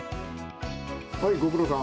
はい、ご苦労さん。